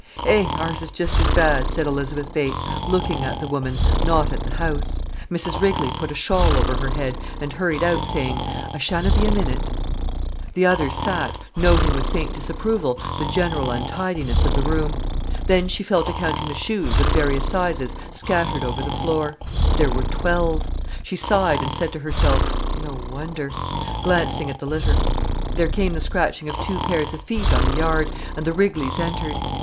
"Eh, ours is just as bad," said Elizabeth Bates, looking at the woman, not at the house. Mrs Rigley put a shawl over her head and hurried out, saying: "I shanna be a minute." The other sat, noting with faint disapproval the general untidiness of the room. Then she fell to counting the shoes of various sizes scattered over the floor. There were twelve. She sighed and said to herself, "No wonder!"—glancing at the litter. There came the scratching of two pairs of feet on the yard, and the Rigleys entered.